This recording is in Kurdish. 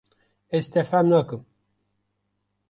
Ez, te fêm nakim.